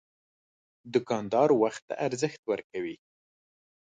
دوکاندار وخت ته ارزښت ورکوي.